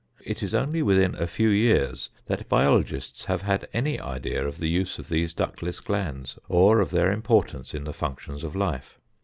It is only within a few years that biologists have had any idea of the use of these ductless glands or of their importance in the functions of life.